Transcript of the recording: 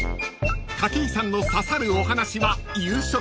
［筧さんの刺さるお話は夕食で］